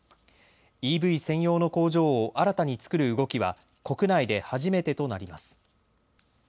ＥＶ専用の工場を新たにつくる動きは国内で初めてとなります。